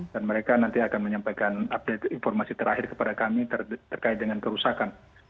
dan mereka nanti akan menyampaikan update informasi terakhir kepada kami terkait dengan kerusakan